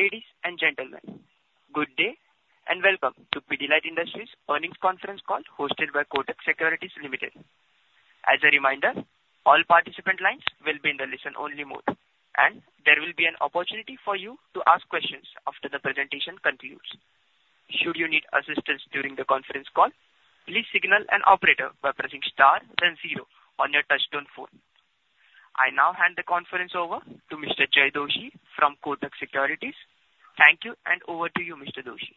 Ladies and gentlemen, good day, and welcome to Pidilite Industries' Earnings Conference Call hosted by Kotak Securities Limited. As a reminder, all participant lines will be in the listen-only mode, and there will be an opportunity for you to ask questions after the presentation concludes. Should you need assistance during the conference call, please signal an operator by pressing star then zero on your touchtone phone. I now hand the conference over to Mr. Jay Doshi from Kotak Securities. Thank you, and over to you, Mr. Doshi.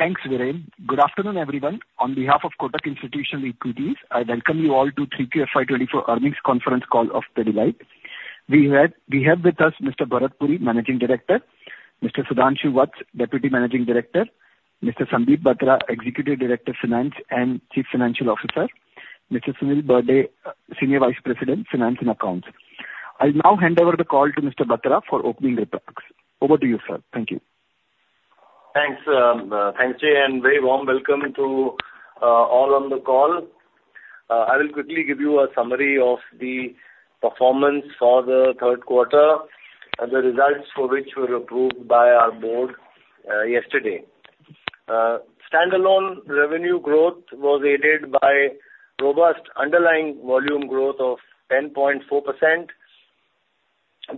Thanks, Viren. Good afternoon, everyone. On behalf of Kotak Institutional Equities, I welcome you all to Q3 FY24 Earnings Conference Call of Pidilite. We have with us Mr. Bharat Puri, Managing Director, Mr. Sudhanshu Vats, Deputy Managing Director, Mr. Sandeep Batra, Executive Director, Finance and Chief Financial Officer, Mr. Sunil Burde, Senior Vice President, Finance and Accounts. I'll now hand over the call to Mr. Batra for opening remarks. Over to you, sir. Thank you. Thanks, Jay, and very warm welcome to all on the call. I will quickly give you a summary of the performance for the third quarter and the results for which were approved by our board yesterday. Standalone revenue Growth was aided by robust underlying volume Growth of 10.4%.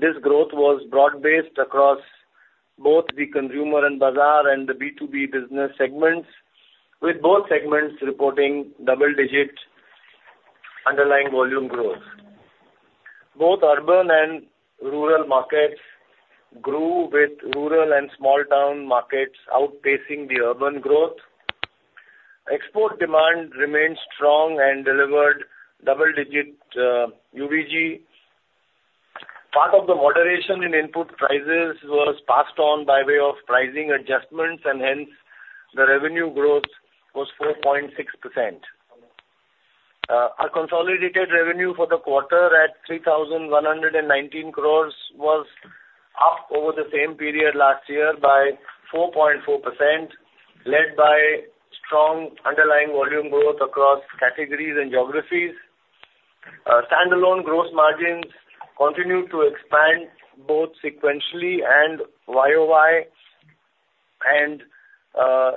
This Growth was broad-based across both the Consumer and Bazaar and the B2B business segments, with both segments reporting double-digit underlying volume Growth. Both urban and rural markets grew, with rural and small town markets outpacing the urban Growth. Export demand remained strong and delivered double-digit UVG. Part of the moderation in input prices was passed on by way of pricing adjustments, and hence, the revenue Growth was 4.6%. Our consolidated revenue for the quarter at 3,119 crores was up over the same period last year by 4.4%, led by strong underlying volume Growth across categories and geographies. Standalone gross margins continued to expand both sequentially and YOY, and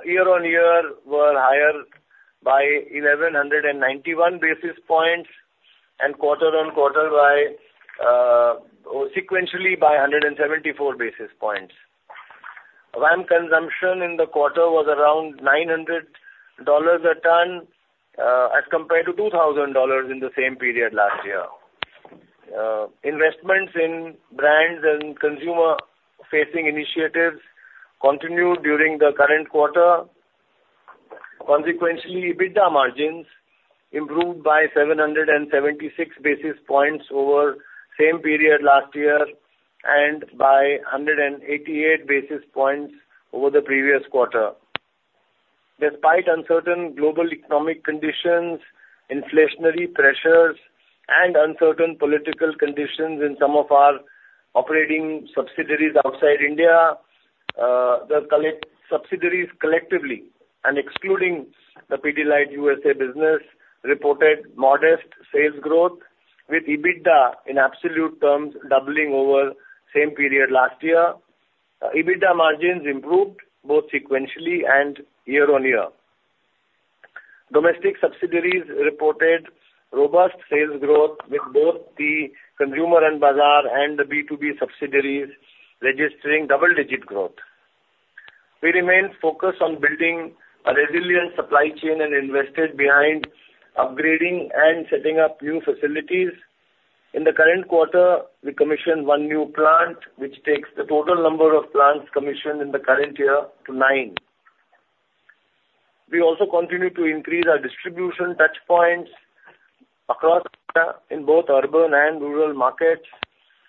year-on-year were higher by 1,191 basis points and quarter-on-quarter by sequentially by 174 basis points. VAM consumption in the quarter was around $900 a ton as compared to $2,000 in the same period last year. Investments in brands and consumer-facing initiatives continued during the current quarter. Consequently, EBITDA margins improved by 776 basis points over same period last year and by 188 basis points over the previous quarter. Despite uncertain global economic conditions, inflationary pressures, and uncertain political conditions in some of our operating subsidiaries outside India, the subsidiaries collectively, and excluding the Pidilite USA business, reported modest sales Growth, with EBITDA in absolute terms doubling over same period last year. EBITDA margins improved both sequentially and year-on-year. Domestic subsidiaries reported robust sales Growth, with both the consumer and bazaar and the B2B subsidiaries registering double-digit Growth. We remain focused on building a resilient supply chain and invested behind upgrading and setting up new facilities. In the current quarter, we commissioned one new plant, which takes the total number of plants commissioned in the current year to nine. We also continue to increase our distribution touchpoints across in both urban and rural markets,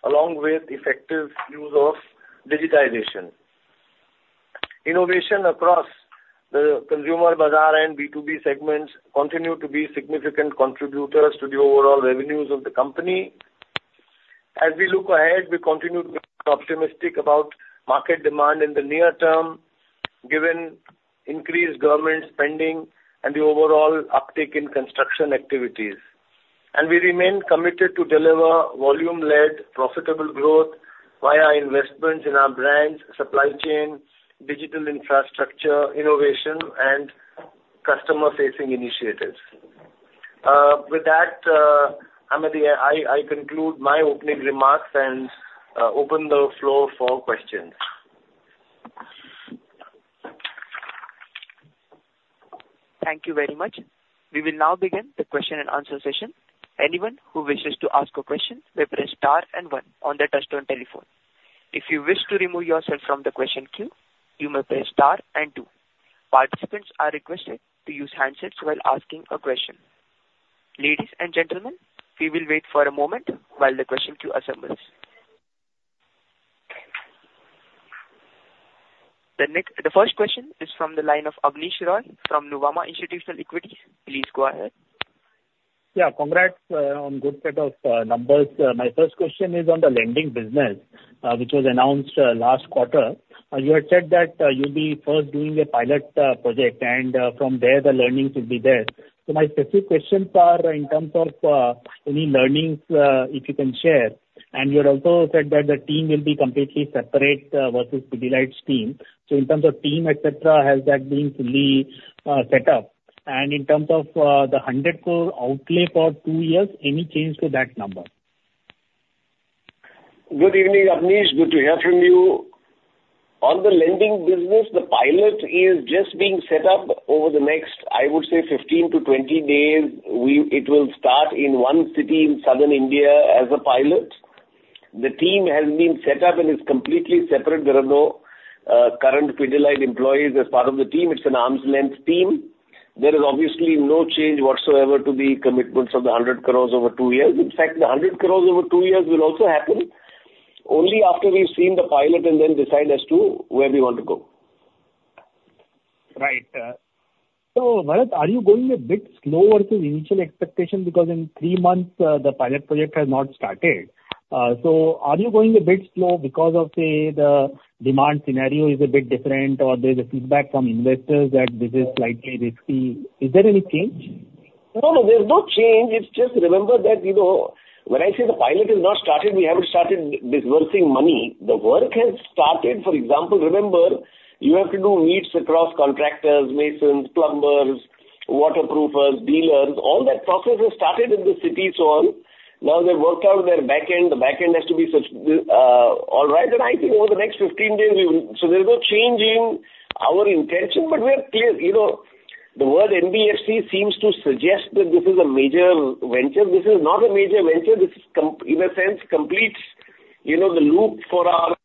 along with effective use of digitization. Innovation across the consumer bazaar and B2B segments continue to be significant contributors to the overall revenues of the company. As we look ahead, we continue to be optimistic about market demand in the near term, given increased government spending and the overall uptick in construction activities. We remain committed to deliver volume-led, profitable Growth via investments in our brands, supply chain, digital infrastructure, innovation, and customer-facing initiatives. With that, I'm at the end. I conclude my opening remarks and open the floor for questions. Thank you very much. We will now begin the question and answer session. Anyone who wishes to ask a question may press star and one on their touchtone telephone. If you wish to remove yourself from the question queue, you may press star and two. Participants are requested to use handsets while asking a question. Ladies and gentlemen, we will wait for a moment while the question queue assembles. The first question is from the line of Abneesh Roy from Nuvama Institutional Equities. Please go ahead. Yeah, congrats on good set of numbers. My first question is on the lending business, which was announced last quarter. You had said that you'll be first doing a pilot project, and from there, the learnings will be there. So my specific questions are in terms of any learnings if you can share, and you had also said that the team will be completely separate versus Pidilite's team. So in terms of team, et cetera, has that been fully set up? And in terms of the 100 crore outlay for two years, any change to that number? Good evening, Abneesh. Good to hear from you. On the lending business, the pilot is just being set up over the next, I would say, 15-20 days. It will start in one city in southern India as a pilot. The team has been set up and is completely separate. There are no current Pidilite employees as part of the team. It's an arm's length team. There is obviously no change whatsoever to the commitments of the 100 crore over two years. In fact, the 100 crore over two years will also happen only after we've seen the pilot and then decide as to where we want to go. Right. So, Bharat, are you going a bit slower to initial expectation? Because in three months, the pilot project has not started. So are you going a bit slow because of, say, the demand scenario is a bit different, or there's a feedback from investors that this is slightly risky? Is there any change? No, there's no change. It's just remember that, you know, when I say the pilot is not started, we haven't started disbursing money. The work has started. For example, remember, you have to do meets across contractors, masons, plumbers, waterproofers, dealers. All that process has started in the city. So now they've worked out their back end. The back end has to be all right. And I think over the next 15 days, we will... So there's no change in our intention, but we are clear. You know, the word NBFC seems to suggest that this is a major venture. This is not a major venture. This is, in a sense, completes, you know, the loop for our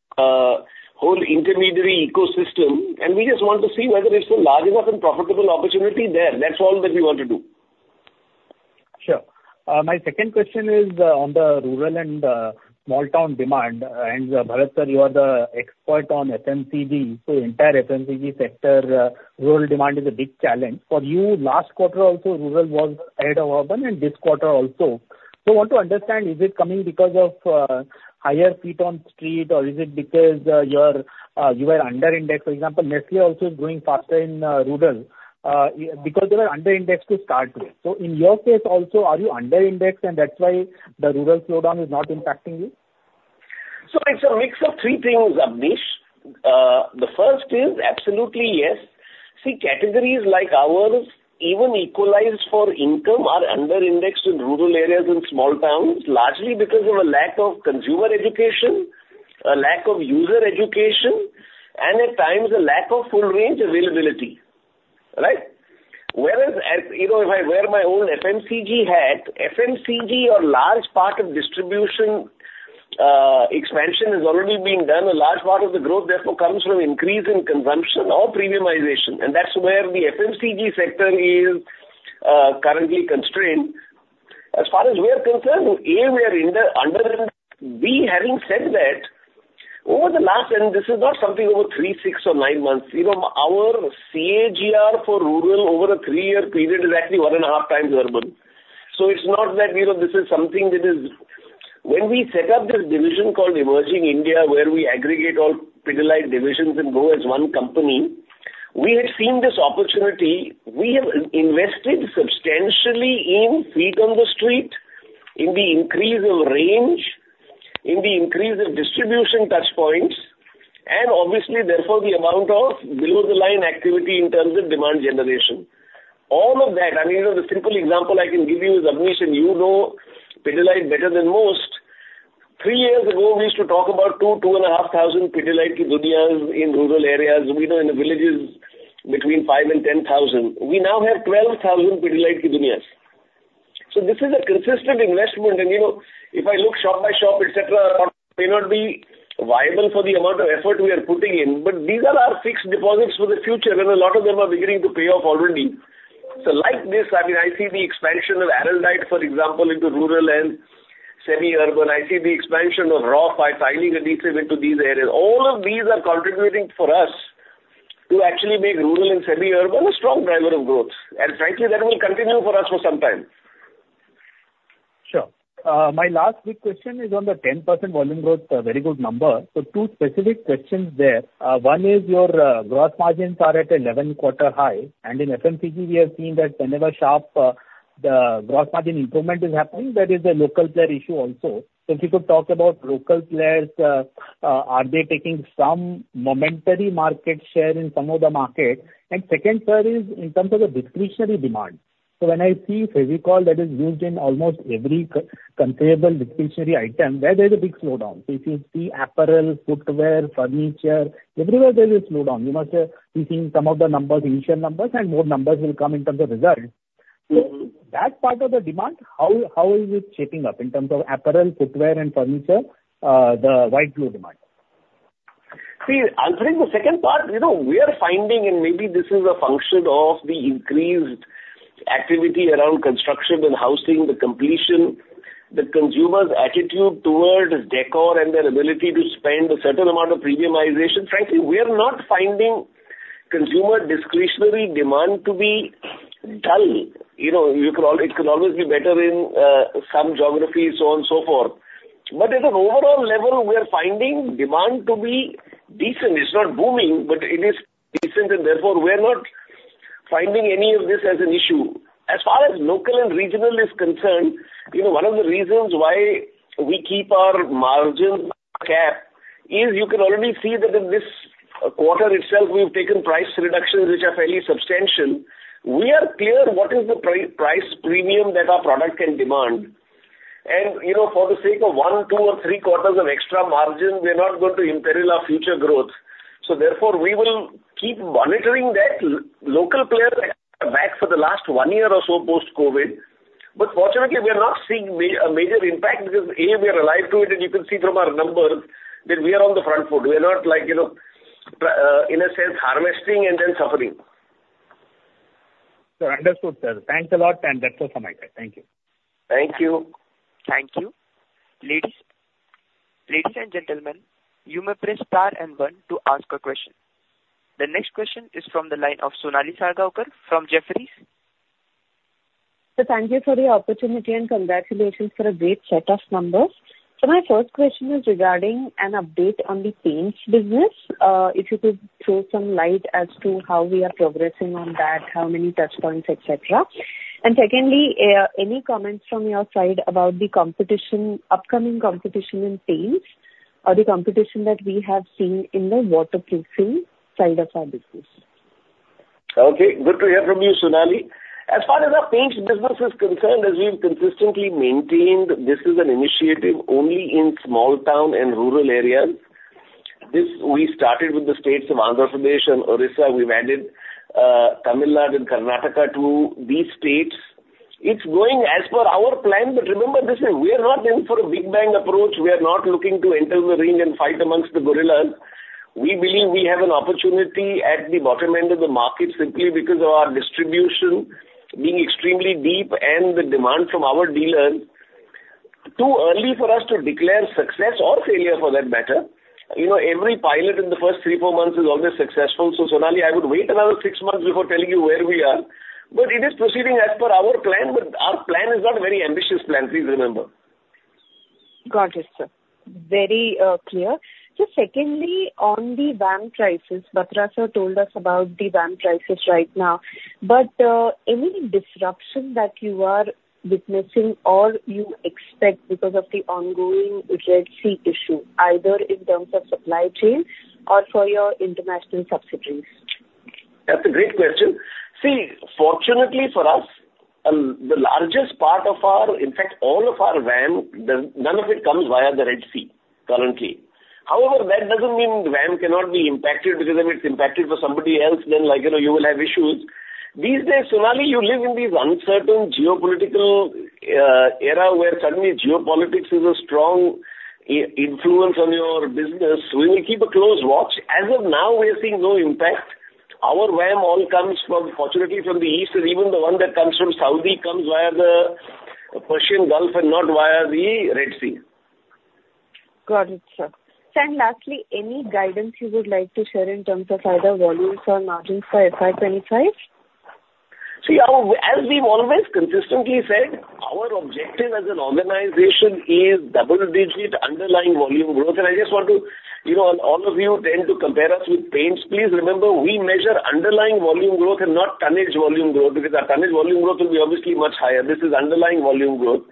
whole intermediary ecosystem, and we just want to see whether there's a large enough and profitable opportunity there. That's all that we want to do. Sure. My second question is on the rural and small town demand. Bharat, sir, you are the expert on FMCG, so entire FMCG sector rural demand is a big challenge. For you, last quarter also, rural was ahead of urban, and this quarter also. So I want to understand, is it coming because of higher feet on street, or is it because you were under indexed? For example, Nestlé also is growing faster in rural because they were under indexed to start with. So in your case also, are you under indexed, and that's why the rural slowdown is not impacting you? So it's a mix of three things, Abneesh. The first is absolutely, yes. See, categories like ours, even equalized for income, are under-indexed in rural areas and small towns, largely because of a lack of consumer education, a lack of user education, and at times, a lack of full range availability, right? Whereas, as you know, if I wear my own FMCG hat, FMCG or large part of distribution expansion has already been done. A large part of the Growth therefore comes from increase in consumption or premiumization, and that's where the FMCG sector is currently constrained. As far as we're concerned, we are in the under index. B, having said that, over the last, and this is not something over three, six or nine months, you know, our CAGR for rural over a three-year period is actually one and a half times urban. So it's not that, you know, this is something that is... When we set up this division called Emerging India, where we aggregate all Pidilite divisions and grow as one company, we had seen this opportunity. We have invested substantially in feet on the street, in the increase of range, in the increase of distribution touch points, and obviously, therefore, the amount of below-the-line activity in terms of demand generation. All of that, I mean, you know, the simple example I can give you is, Abneesh, and you know Pidilite better than most. Three years ago, we used to talk about 2-2.5 thousand Pidilite Ki Duniya in rural areas, you know, in the villages between 5,000 and 10,000. We now have 12,000 Pidilite Ki Duniyas. So this is a consistent investment. You know, if I look shop by shop, et cetera, may not be viable for the amount of effort we are putting in, but these are our fixed deposits for the future, and a lot of them are beginning to pay off already. So like this, I mean, I see the expansion of Araldite, for example, into rural and semi-urban. I see the expansion of Roff Vitro tiling adhesive into these areas. All of these are contributing for us to actually make rural and semi-urban a strong driver of Growth, and frankly, that will continue for us for some time. Sure. My last quick question is on the 10% volume Growth, a very good number. So two specific questions there. One is, your Growth margins are at an 11-quarter high, and in FMCG, we have seen that whenever sharp gross margin improvement is happening, there is a local player issue also. So if you could talk about local players, are they taking some momentary market share in some of the market? And second, sir, is in terms of the discretionary demand. So when I see Fevicryl that is used in almost every comparable discretionary item, there's a big slowdown. So if you see apparel, footwear, furniture, everywhere there is a slowdown. You must have seen some of the numbers, initial numbers, and more numbers will come in terms of results. That part of the demand, how is it shaping up in terms of apparel, footwear, and furniture, the white glue demand? See, answering the second part, you know, we are finding, and maybe this is a function of the increased activity around construction and housing, the completion, the consumer's attitude towards decor and their ability to spend a certain amount of premiumization. Frankly, we are not finding consumer discretionary demand to be dull. You know, you could it could always be better in some geographies, so on and so forth. But at an overall level, we are finding demand to be decent. It's not booming, but it is decent, and therefore, we're not finding any of this as an issue. As far as local and regional is concerned, you know, one of the reasons why we keep our margins cap is you can already see that in this quarter itself, we've taken price reductions which are fairly substantial. We are clear what is the price premium that our product can demand. And, you know, for the sake of one, two or three quarters of extra margin, we're not going to imperil our future Growth. So therefore, we will keep monitoring that. Local players are back for the last one year or so post-COVID, but fortunately, we are not seeing a major impact because, A, we are alive to it, and you can see from our numbers that we are on the front foot. We are not like, you know, in a sense, harvesting and then suffering. Sir, understood, sir. Thanks a lot, and that's all from my side. Thank you. Thank you. Thank you. Ladies, ladies and gentlemen, you may press star and one to ask a question. The next question is from the line of Sonali Salgaonkar from Jefferies. Thank you for the opportunity and congratulations for a great set of numbers. My first question is regarding an update on the paints business. If you could throw some light as to how we are progressing on that, how many touchpoints, et cetera. And secondly, any comments from your side about the competition, upcoming competition in paints or the competition that we have seen in the waterproofing side of our business? Okay, good to hear from you, Sonali. As far as our paints business is concerned, as we've consistently maintained, this is an initiative only in small town and rural areas. This, we started with the states of Andhra Pradesh and Odisha. We've added, Tamil Nadu and Karnataka to these states. It's going as per our plan, but remember this, we are not in for a big bang approach. We are not looking to enter the ring and fight amongst the gorillas. We believe we have an opportunity at the bottom end of the market simply because of our distribution being extremely deep and the demand from our dealers. Too early for us to declare success or failure for that matter. You know, every pilot in the first three, four months is always successful. So Sonali, I would wait another six months before telling you where we are. It is proceeding as per our plan, but our plan is not a very ambitious plan, please remember. Got it, sir. Very, clear. So secondly, on the VAM prices, Batra sir told us about the VAM prices right now, but, any disruption that you are witnessing or you expect because of the ongoing Red Sea issue, either in terms of supply chains or for your international subsidiaries? That's a great question. See, fortunately for us, the largest part of our... In fact, all of our VAM, none of it comes via the Red Sea currently. However, that doesn't mean the VAM cannot be impacted because if it's impacted for somebody else, then, like, you know, you will have issues. These days, Sonali, you live in this uncertain geopolitical era, where suddenly geopolitics is a strong influence on your business. We will keep a close watch. As of now, we are seeing no impact. Our VAM all comes from, fortunately, from the east, and even the one that comes from Saudi, comes via the Persian Gulf and not via the Red Sea. Got it, sir. Sir, and lastly, any guidance you would like to share in terms of either volumes or margins for FY 25? See, as we've always consistently said, our objective as an organization is double-digit underlying volume Growth. I just want to... You know, all of you tend to compare us with paints. Please remember, we measure underlying volume Growth and not tonnage volume Growth, because our tonnage volume Growth will be obviously much higher. This is underlying volume Growth.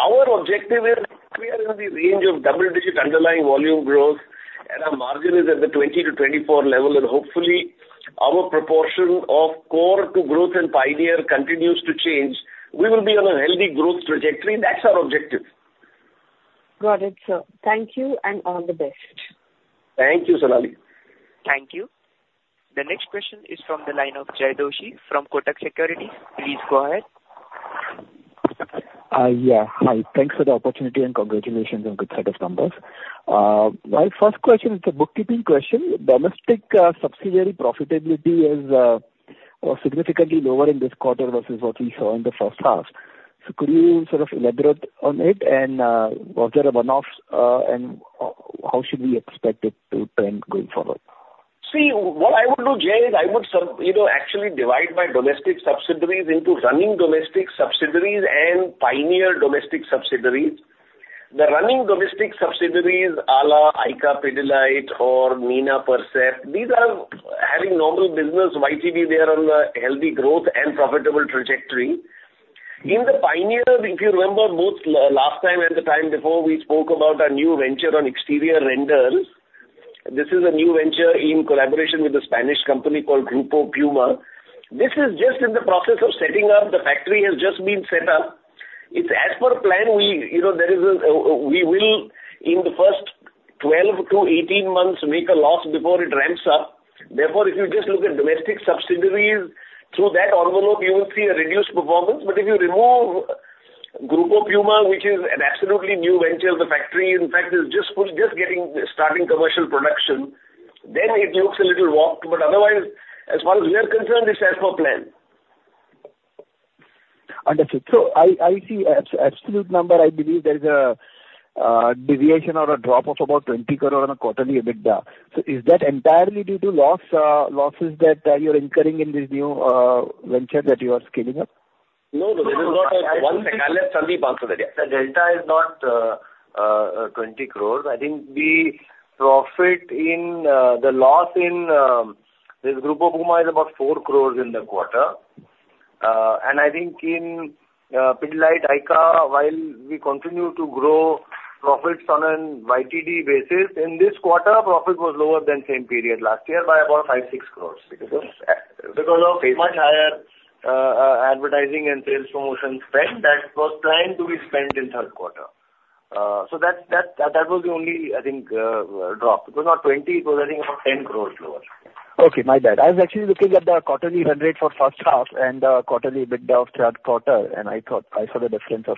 Our objective is we are in the range of double-digit underlying volume Growth, and our margin is at the 20-24 level, and hopefully, our proportion of Core to Growth and pioneer continues to change. We will be on a healthy Growth trajectory, and that's our objective. Got it, sir. Thank you, and all the best. Thank you, Sonali. Thank you. The next question is from the line of Jay Doshi from Kotak Securities. Please go ahead. Yeah, hi. Thanks for the opportunity, and congratulations on good set of numbers. My first question is a bookkeeping question. Domestic subsidiary profitability is significantly lower in this quarter versus what we saw in the first half. So could you sort of elaborate on it, and was there a one-off, and how should we expect it to trend going forward? See, what I would do, Jai, is I would sort, you know, actually divide my domestic subsidiaries into running domestic subsidiaries and pioneer domestic subsidiaries. The running domestic subsidiaries, à la ICA Pidilite or Nina Percept, these are having normal business. YTD, they are on a healthy Growth and profitable trajectory. In the pioneer, if you remember, both last time and the time before, we spoke about our new venture on exterior renders. This is a new venture in collaboration with a Spanish company called Grupo Puma. This is just in the process of setting up. The factory has just been set up. It's as per plan, we, you know, there is a, we will, in the first 12-18 months, make a loss before it ramps up. Therefore, if you just look at domestic subsidiaries, through that envelope, you will see a reduced performance. But if you remove Grupo Puma, which is an absolutely new venture, the factory, in fact, was just starting commercial production, then it looks a little warped. But otherwise, as far as we are concerned, it's as per plan. Understood. So I see absolute number, I believe there is a deviation or a drop of about 20 crore on a quarterly EBITDA. So is that entirely due to losses that you're incurring in this new venture that you are scaling up? No, this is not a one. The delta is not 20 crore. I think the profit in the loss in this Grupo Puma is about 4 crore in the quarter. And I think in ICA Pidilite, while we continue to grow profits on an YTD basis, in this quarter, profit was lower than same period last year by about 5-6 crore. Because of because of much higher advertising and sales promotion spend that was planned to be spent in third quarter. So that, that, that was the only, I think, drop. It was not 20 crore, it was I think about 10 crore lower. Okay, my bad. I was actually looking at the quarterly run rate for first half and the quarterly EBITDA of third quarter, and I thought I saw the difference of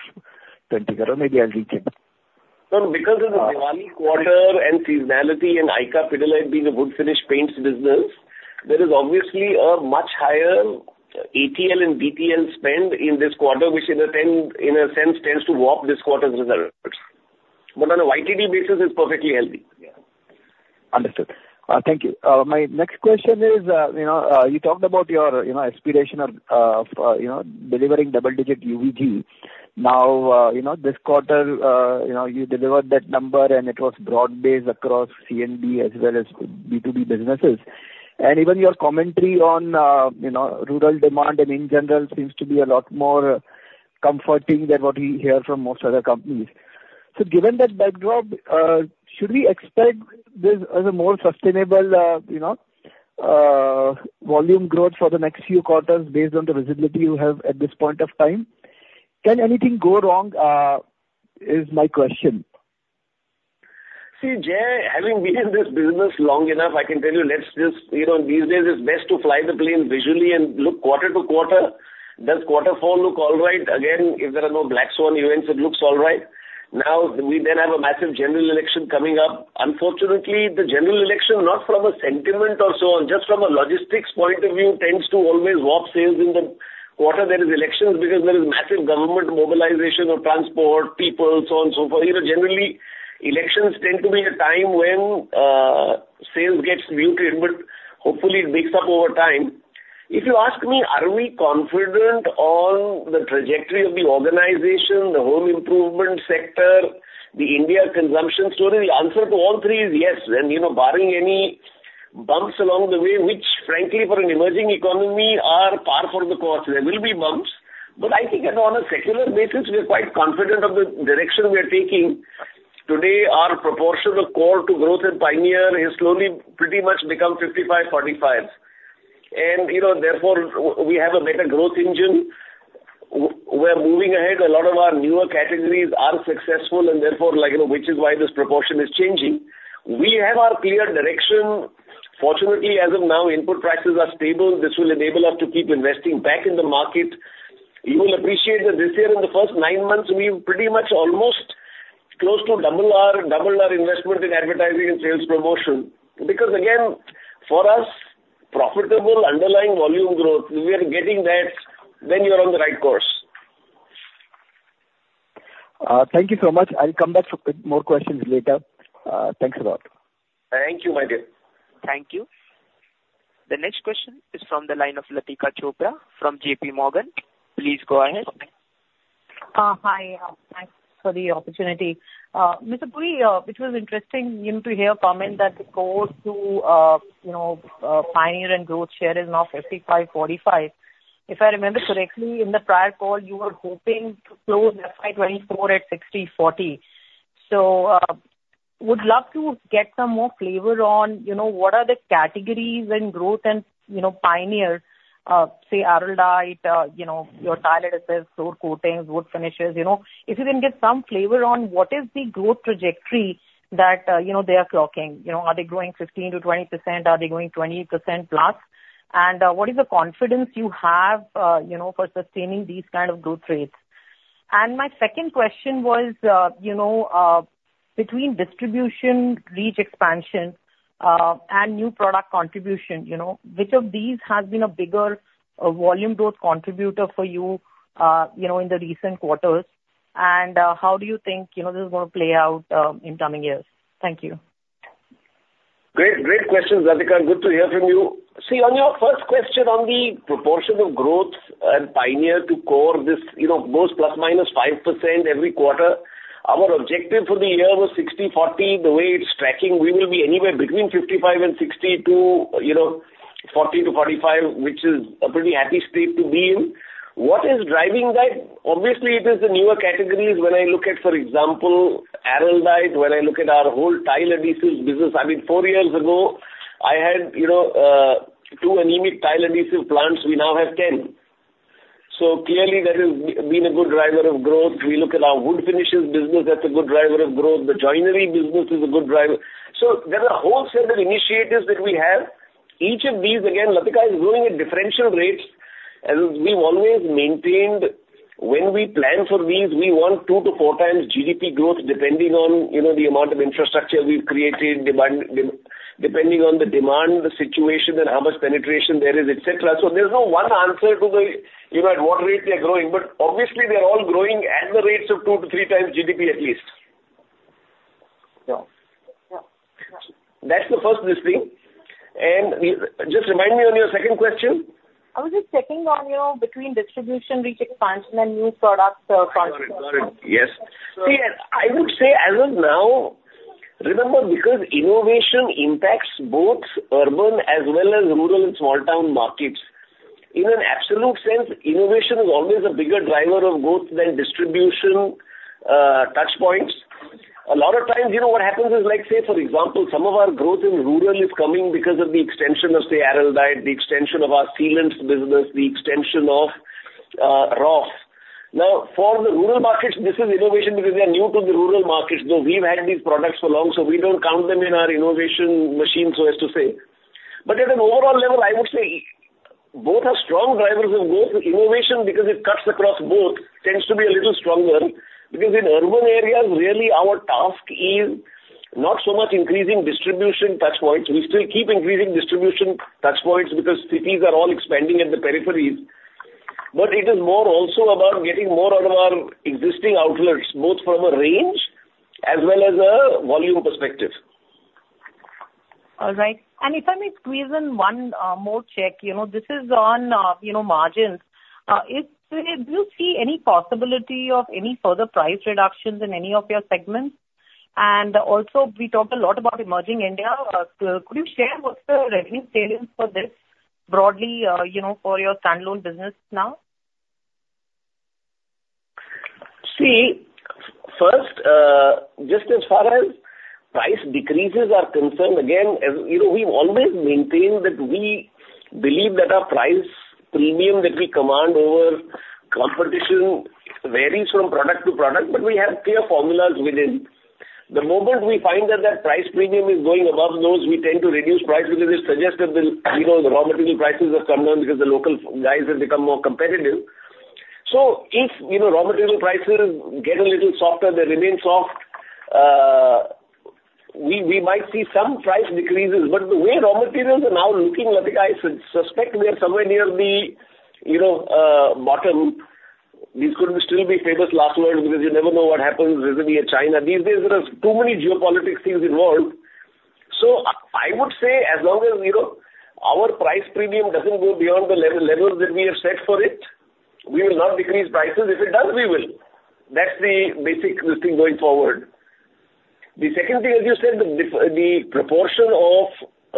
20 crore. Maybe I'll recheck. No, because of the Diwali quarter and seasonality in ICA Pidilite being a wood finish paints business, there is obviously a much higher ATL and BTL spend in this quarter, which, in a sense, tends to warp this quarter's results. But on a YTD basis, it's perfectly healthy. Understood. Thank you. My next question is, you know, you talked about your, you know, aspiration of, you know, delivering double-digit UVG. Now, you know, this quarter, you know, you delivered that number, and it was broad-based across C&B as well as B2B businesses. And even your commentary on, you know, rural demand and in general, seems to be a lot more comforting than what we hear from most other companies. So given that backdrop, should we expect this as a more sustainable, you know, volume Growth for the next few quarters based on the visibility you have at this point of time? Can anything go wrong, is my question. See, Jay, having been in this business long enough, I can tell you, let's just, you know, these days it's best to fly the plane visually and look quarter to quarter. Does quarter four look all right? Again, if there are no black swan events, it looks all right. Now, we then have a massive general election coming up. Unfortunately, the general election, not from a sentiment or so, just from a logistics point of view, tends to always warp sales in the quarter there is elections, because there is massive government mobilization of transport, people, so on, so forth. You know, generally, elections tend to be a time when sales gets muted, but hopefully it makes up over time. If you ask me, are we confident on the trajectory of the organization, the home improvement sector, the India consumption story? The answer to all three is yes. You know, barring any bumps along the way, which frankly, for an emerging economy, are par for the course, there will be bumps. I think, you know, on a secular basis, we're quite confident of the direction we are taking. Today, our proportion of core to Growth in Pioneer has slowly pretty much become 55-45. You know, therefore, we have a better Growth engine. We're moving ahead, a lot of our newer categories are successful, and therefore, like, you know, which is why this proportion is changing. We have our clear direction. Fortunately, as of now, input prices are stable. This will enable us to keep investing back in the market. You will appreciate that this year, in the first 9 months, we've pretty much almost doubled our investment in advertising and sales promotion. Because, again, for us, profitable underlying volume Growth, we are getting that, then you're on the right course. Thank you so much. I'll come back with more questions later. Thanks a lot. Thank you, my dear. Thank you. The next question is from the line of Latika Chopra from JP Morgan. Please go ahead. Hi, thanks for the opportunity. Mr. Puri, it was interesting, you know, to hear a comment that the core to, you know, Pioneer and Growth share is now 55/45. If I remember correctly, in the prior call, you were hoping to close FY 2024 at 60/40. Would love to get some more flavor on, you know, what are the categories and Growth and, you know, pioneers, say, Araldite, you know, your tile adhesives, floor coatings, wood finishes, you know. If you can get some flavor on what is the Growth trajectory that, you know, they are clocking. You know, are they growing 15%-20%? Are they growing 20%+? And, what is the confidence you have, you know, for sustaining these kind of Growth rates? My second question was, you know, between distribution, reach expansion, and new product contribution, you know, which of these has been a bigger, volume Growth contributor for you, you know, in the recent quarters? How do you think, you know, this is gonna play out, in coming years? Thank you. Great, great questions, Latika. Good to hear from you. See, on your first question on the proportion of Growth and Pioneer to core, this, you know, moves ±5% every quarter. Our objective for the year was 60/40. The way it's tracking, we will be anywhere between 55 and 60 to, you know, 40 to 45, which is a pretty happy state to be in. What is driving that? Obviously, it is the newer categories. When I look at, for example, Araldite, when I look at our whole tile adhesives business, I mean, 4 years ago, I had, you know, 2 anemic tile adhesive plants. We now have 10. So clearly that has been a good driver of Growth. We look at our wood finishes business, that's a good driver of Growth. The joinery business is a good driver. So there are a whole set of initiatives that we have. Each of these, again, Latika, is growing at differential rates, and we've always maintained when we plan for these, we want 2-4 times GDP Growth, depending on, you know, the amount of infrastructure we've created, depending on the demand, the situation, and how much penetration there is, et cetera. So there's no one answer to the, you know, at what rate they are growing, but obviously, they are all growing at the rates of 2-3 times GDP, at least. Yeah. That's the first listing. And just remind me on your second question? I was just checking on your between distribution reach expansion and new product front. Got it, got it. Yes. See, I would say as of now, remember, because innovation impacts both urban as well as rural and small town markets, in an absolute sense, innovation is always a bigger driver of Growth than distribution touch points. A lot of times, you know, what happens is like, say, for example, some of our Growth in rural is coming because of the extension of, say, Araldite, the extension of our sealants business, the extension of, Roff. Now, for the rural markets, this is innovation because they are new to the rural markets, though we've had these products for long, so we don't count them in our innovation machine, so as to say. But at an overall level, I would say both are strong drivers of Growth. Innovation, because it cuts across both, tends to be a little stronger, because in urban areas, really, our task is not so much increasing distribution touch points. We still keep increasing distribution touch points because cities are all expanding at the peripheries. But it is more also about getting more out of our existing outlets, both from a range as well as a volume perspective. All right. And if I may squeeze in one more check, you know, this is on, you know, margins. Do you see any possibility of any further price reductions in any of your segments? And also, we talked a lot about emerging India. Could you share what's the revenue sales for this broadly, you know, for your standalone business now? See, first, just as far as price decreases are concerned, again, as you know, we've always maintained that we believe that our price premium that we command over competition varies from product to product, but we have clear formulas within. The moment we find that that price premium is going above those, we tend to reduce price because it suggests that the, you know, the raw material prices have come down because the local guys have become more competitive. So if, you know, raw material prices get a little softer, they remain soft, we might see some price decreases. But the way raw materials are now looking, I think I should suspect they are somewhere near the, you know, bottom. These could still be famous last words, because you never know what happens with the China. These days, there are too many geopolitics things involved. So I, I would say, as long as, you know, our price premium doesn't go beyond the level, levels that we have set for it, we will not decrease prices. If it does, we will. That's the basic listing going forward. The second thing, as you said, the proportion of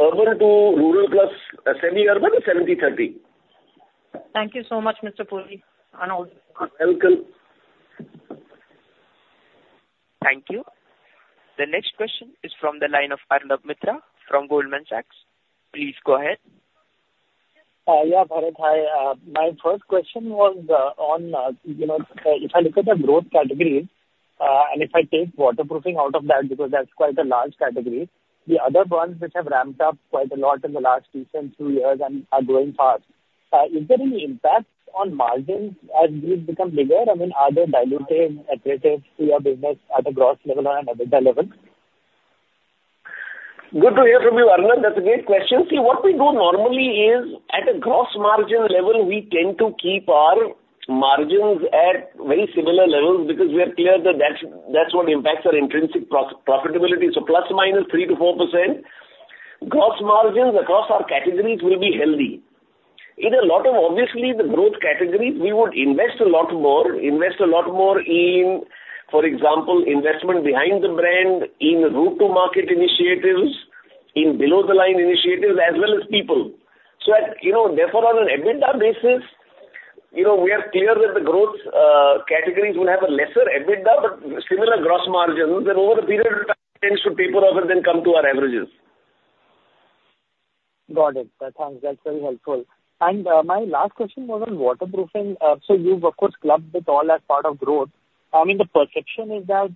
urban to rural plus semi-urban is 70/30. Thank you so much, Mr. Puri, on all. Welcome. Thank you. The next question is from the line of Arnab Mitra from Goldman Sachs. Please go ahead. Yeah, Bharat, hi. My first question was on, you know, if I look at the Growth category, and if I take waterproofing out of that, because that's quite a large category, the other ones which have ramped up quite a lot in the last recent two years and are growing fast, is there any impact on margins as these become bigger? I mean, are they dilutive, accretive to your business at a gross level and an EBITDA level? Good to hear from you, Arnab. That's a great question. See, what we do normally is, at a gross margin level, we tend to keep our margins at very similar levels because we are clear that, that's, that's what impacts our intrinsic profitability. So plus or minus 3%-4%. Gross margins across our categories will be healthy. In a lot of obviously the Growth categories, we would invest a lot more, invest a lot more in, for example, investment behind the brand, in go-to-market initiatives, in below-the-line initiatives, as well as people. So at, you know, therefore, on an EBITDA basis, you know, we are clear that the Growth categories will have a lesser EBITDA, but similar gross margins, and over a period of time, tends to taper off and then come to our averages. Got it. Thanks. That's very helpful. And my last question was on waterproofing. So you've of course clubbed it all as part of Growth. I mean, the perception is that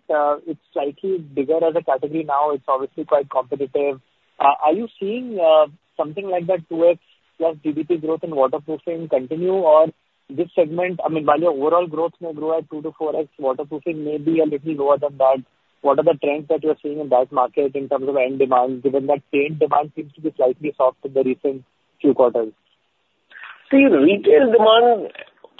it's slightly bigger as a category now. It's obviously quite competitive. Are you seeing something like that towards plus GDP Growth in waterproofing continue? Or this segment, I mean, while your overall Growth may grow at 2-4x, waterproofing may be a little lower than that. What are the trends that you're seeing in that market in terms of end demand, given that paint demand seems to be slightly soft in the recent few quarters? See, retail demand,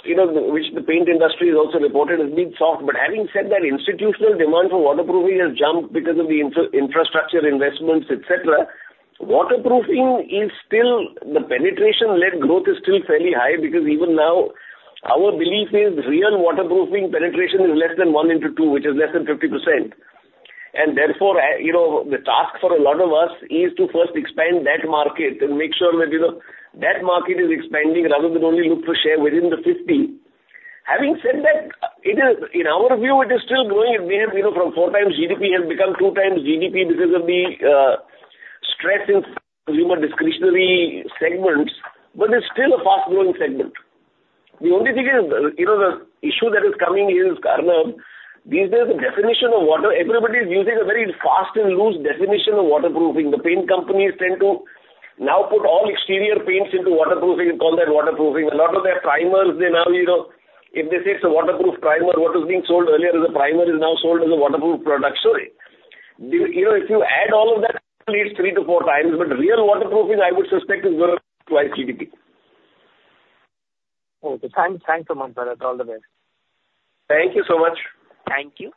you know, which the paint industry has also reported, has been soft. But having said that, institutional demand for waterproofing has jumped because of the infrastructure investments, et cetera. Waterproofing is still... The penetration-led Growth is still fairly high because even now, our belief is real waterproofing penetration is less than one in two, which is less than 50%. And therefore, you know, the task for a lot of us is to first expand that market and make sure that, you know, that market is expanding rather than only look for share within the fifty. Having said that, it is, in our view, it is still growing. It may, you know, from four times GDP has become two times GDP because of the stress in consumer discretionary segments, but it's still a fast-growing segment. The only thing is, you know, the issue that is coming is, Arnab, these days, the definition of waterproofing. Everybody is using a very fast and loose definition of waterproofing. The paint companies tend to now put all exterior paints into waterproofing and call that waterproofing. A lot of their primers, they now, you know, if they say it's a waterproof primer, what was being sold earlier as a primer is now sold as a waterproof product. So, do you, you know, if you add all of that, it's three to four times, but real waterproofing, I would suspect, is growing twice GDP. Okay, thanks. Thanks a lot, sir. All the best. Thank you so much. Thank you.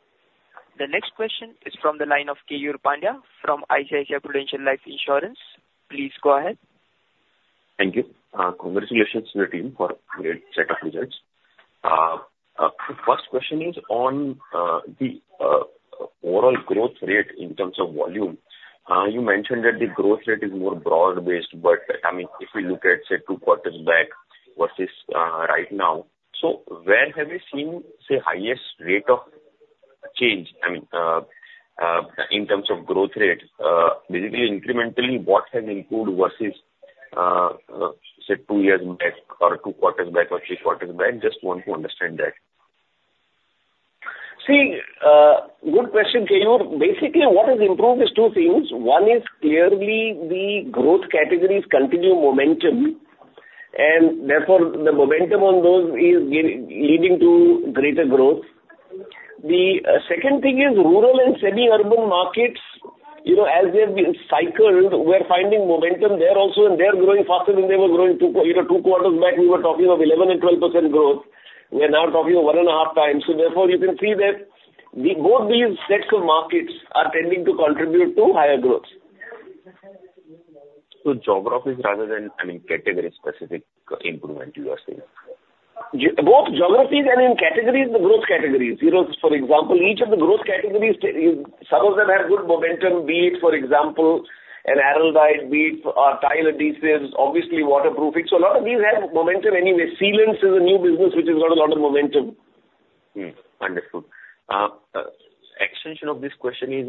The next question is from the line of Keyur Pandya from ICICI Prudential Life Insurance. Please go ahead. Thank you. Congratulations to the team for a great set of results. First question is on the overall Growth rate in terms of volume. You mentioned that the Growth rate is more broad-based, but, I mean, if you look at, say, two quarters back versus right now, so where have you seen the highest rate of change, I mean in terms of Growth rate? Basically, incrementally, what has improved versus say two years back or two quarters back or three quarters back? Just want to understand that. See, good question, Keyur. Basically, what has improved is two things. One is clearly the Growth categories continue momentum, and therefore, the momentum on those is leading to greater Growth. The second thing is rural and semi-urban markets, you know, as they have been cycled, we're finding momentum there also, and they are growing faster than they were growing two quarters back, you know, two quarters back, we were talking of 11% and 12% Growth. We are now talking of 1.5 times. So therefore, you can see that both these sets of markets are tending to contribute to higher Growth. Geographies rather than, I mean, category-specific improvement, you are saying? Both geographies and in categories, the Growth categories. You know, for example, each of the Growth categories, some of them have good momentum, be it, for example, an Araldite, be it tile adhesives, obviously waterproofing. So a lot of these have momentum anyway. Sealants is a new business which has got a lot of momentum. Understood. Extension of this question is,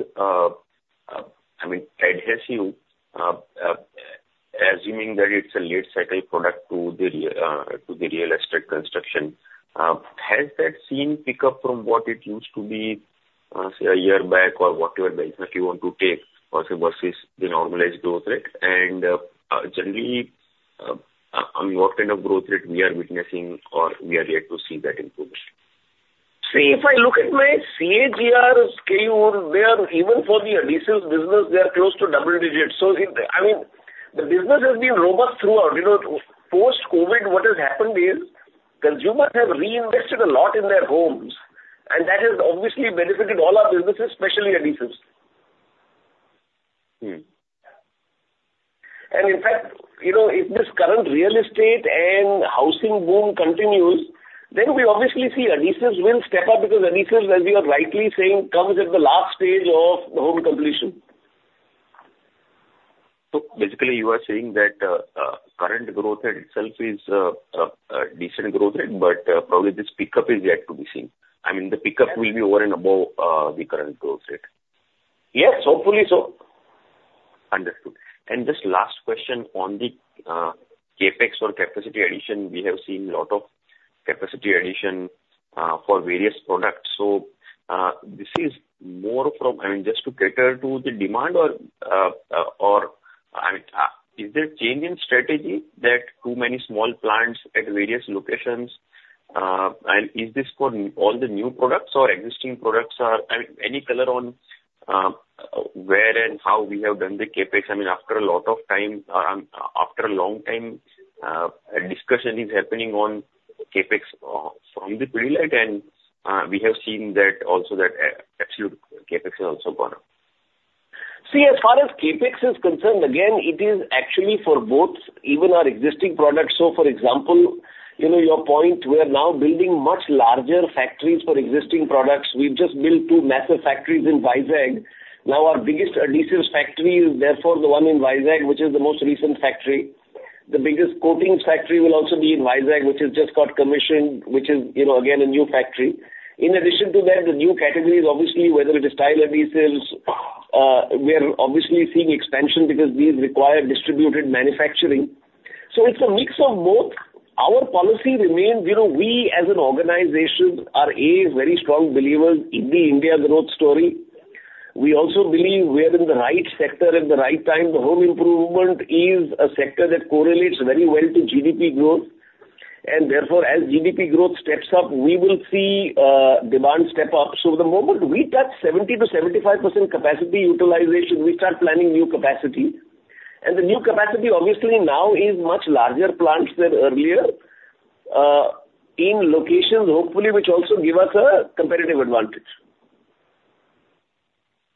I mean, adhesives, assuming that it's a late-cycle product to the real estate construction, has that seen pick up from what it used to be, say, a year back or whatever benchmark you want to take versus the normalized Growth rate? And, generally, on what kind of Growth rate we are witnessing or we are yet to see that improvement? See, if I look at my CAGR scale, they are even for the adhesives business. They are close to double digits. So, I mean, the business has been robust throughout. You know, post-COVID, what has happened is consumers have reinvested a lot in their homes, and that has obviously benefited all our businesses, especially adhesives. Hmm. In fact, you know, if this current real estate and housing boom continues, then we obviously see adhesives will step up, because adhesives, as you are rightly saying, comes at the last stage of home completion. So basically, you are saying that current Growth rate itself is a decent Growth rate, but probably this pickup is yet to be seen. I mean, the pickup will be over and above the current Growth rate. Yes, hopefully so. Understood. And just last question on the CapEx or capacity addition. We have seen a lot of capacity addition for various products. So, this is more from, I mean, just to cater to the demand or, or, I mean, is there a change in strategy that too many small plants at various locations, and is this for all the new products or existing products are... I mean, any color on where and how we have done the CapEx? I mean, after a lot of time, after a long time, a discussion is happening on CapEx from the Pidilite, and we have seen that also that actual CapEx has also gone up. See, as far as CapEx is concerned, again, it is actually for both, even our existing products. So for example, you know, your point, we are now building much larger factories for existing products. We've just built two massive factories in Vizag. Now, our biggest adhesives factory is therefore the one in Vizag, which is the most recent factory. The biggest coatings factory will also be in Vizag, which has just got commissioned, which is, you know, again, a new factory. In addition to that, the new categories, obviously, whether it is tile adhesives, we are obviously seeing expansion because these require distributed manufacturing. So it's a mix of both. Our policy remains, you know, we as an organization are, A, very strong believers in the India Growth story. We also believe we are in the right sector at the right time. The home improvement is a sector that correlates very well to GDP Growth, and therefore, as GDP Growth steps up, we will see, demand step up. So the moment we touch 70%-75% capacity utilization, we start planning new capacity. The new capacity obviously now is much larger plants than earlier, in locations, hopefully, which also give us a competitive advantage.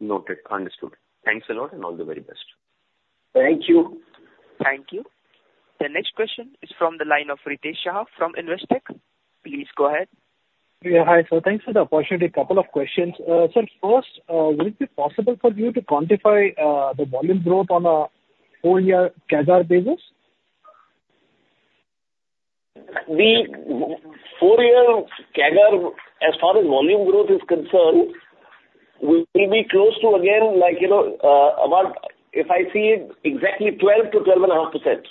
Noted. Understood. Thanks a lot, and all the very best. Thank you. Thank you. The next question is from the line of Ritesh Shah from Investec. Please go ahead. Yeah, hi, sir. Thanks for the opportunity. A couple of questions. Sir, first, would it be possible for you to quantify the volume Growth on a four-year CAGR basis? The four-year CAGR, as far as volume Growth is concerned, will be close to, again, like, you know, about, if I see it, exactly 12%-12.5%.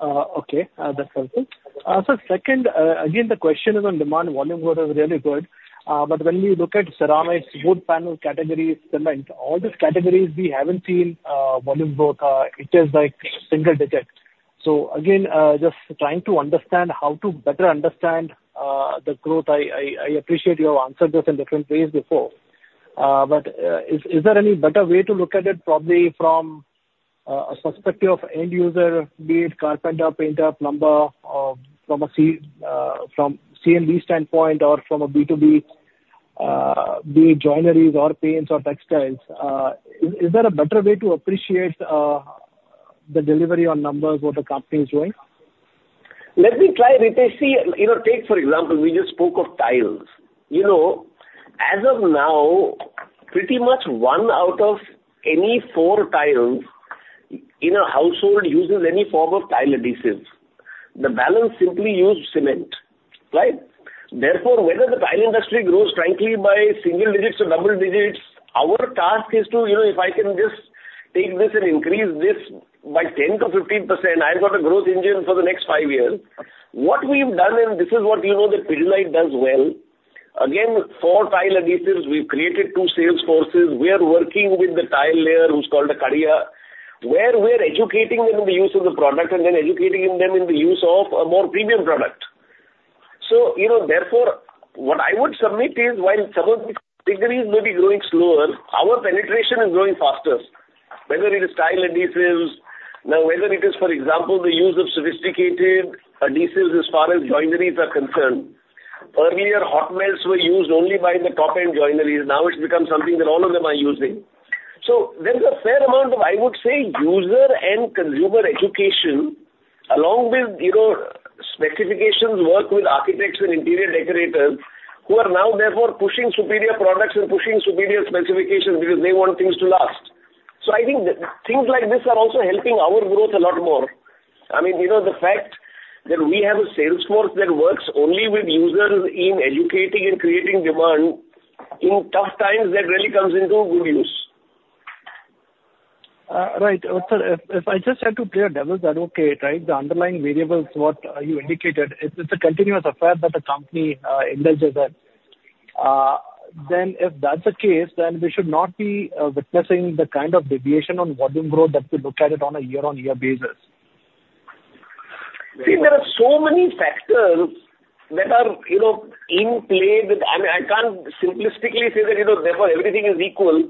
...Okay, that's perfect. So second, again, the question is on demand, volume Growth is really good. But when we look at ceramics, wood panel categories, cement, all these categories, we haven't seen volume Growth. It is like single digits. So again, just trying to understand how to better understand the Growth. I appreciate you have answered this in different ways before. But is there any better way to look at it, probably from a perspective of end user, be it carpenter, painter, plumber, or from CMD standpoint or from a B2B, be it joineries or paints or textiles? Is there a better way to appreciate the delivery on numbers what the company is doing? Let me try, Ritesh. See, you know, take for example, we just spoke of tiles. You know, as of now, pretty much 1 out of any 4 tiles in a household uses any form of tile adhesives. The balance simply use cement, right? Therefore, whether the tile industry grows frankly by single digits or double digits, our task is to, you know, if I can just take this and increase this by 10%-15%, I've got a Growth engine for the next 5 years. What we've done, and this is what, you know, that Pidilite does well, again, for tile adhesives, we've created two sales forces. We are working with the tile layer, who's called a kadiya, where we're educating them in the use of the product and then educating them in the use of a more premium product. So, you know, therefore, what I would submit is, while some of these categories may be growing slower, our penetration is growing faster. Whether it is tile adhesives, now, whether it is, for example, the use of sophisticated adhesives as far as joineries are concerned. Earlier, hot melts were used only by the top-end joineries. Now it's become something that all of them are using. So there's a fair amount of, I would say, user and consumer education, along with, you know, specifications work with architects and interior decorators, who are now therefore pushing superior products and pushing superior specifications because they want things to last. So I think that things like this are also helping our Growth a lot more. I mean, you know, the fact that we have a sales force that works only with users in educating and creating demand in tough times, that really comes into good use. Right. Sir, if I just had to play a devil's advocate, right, the underlying variables, what you indicated, it's a continuous affair that the company engages in. Then if that's the case, then we should not be witnessing the kind of deviation on volume Growth that we look at it on a year-on-year basis. See, there are so many factors that are, you know, in play with, I mean, I can't simplistically say that, you know, therefore, everything is equal.